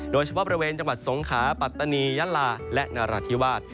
โดยเฉพาะบริเวณจังหวัดสงขาปัตตานียะลาและนราธิวาส